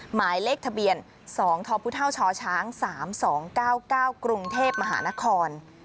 หมายเลขทะเบียน๒ทพชช๓๒๙๙กรุงเทพมหานคร